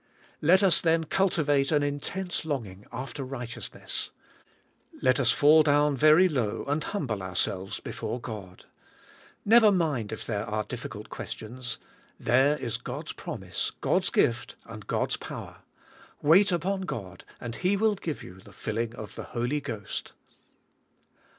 Let us then cultivate an in tense longing after righteousness. Let us fall down very low and humble ourselves before God. Never mind if there are difficult questions, there is God's promise, God's gift and God's power. Wait upon God and He will give you the filling of the Holy Ghost.